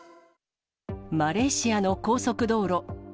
マレーシアの高速道路。